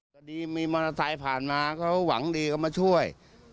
พอดีมีมอเตอร์ไซค์ผ่านมาเขาหวังดีเขามาช่วย